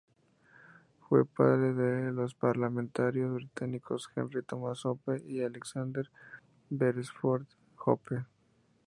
Fue el padre de los parlamentarios británicos Henry Thomas Hope y Alexander Beresford Hope.